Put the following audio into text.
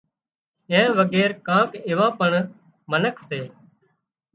اين وڳير ڪانڪ ايوان پڻ منک سي